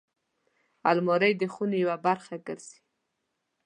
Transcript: الماري د خونې یوه برخه ګرځي